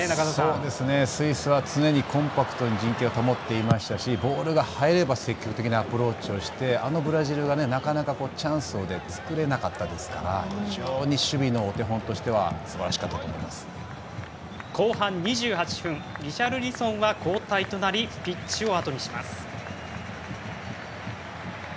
スイスは常にコンパクトに陣形を保っていましたしボールが入れば積極的なアプローチをしてあのブラジルがなかなかチャンスをつくれなかったですから非常に守備のお手本としては後半２８分リシャルリソンは交代となりピッチをあとにします。